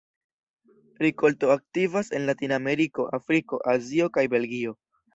Rikolto aktivas en Latinameriko, Afriko, Azio kaj Belgio.